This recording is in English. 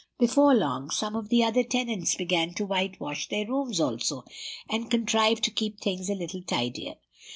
Before long some of the other tenants began to whitewash their rooms also, and contrive to keep things a little tidier.